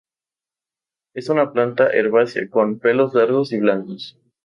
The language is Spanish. Es una planta herbácea, con pelos largos y blancos.